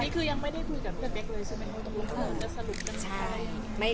คือยังไม่ได้คุยกับเพื่อนเบ็กเลยควรจะสรุปกันไหม